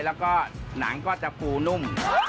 แล้วก็หนังก็จะปูนุ่ม